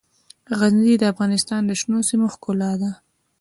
غزني د افغانستان د شنو سیمو ښکلا ده.